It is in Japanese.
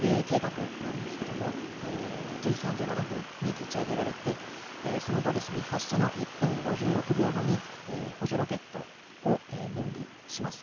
今回の打ち上げ計画ですが１０時３７分に打ち上げられてその後発射の１分５６秒後に補助ロケットを分離します。